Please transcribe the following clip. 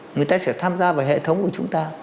người ta sẽ tham gia vào hệ thống của chúng ta